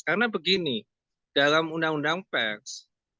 karena begini dalam undang undang peks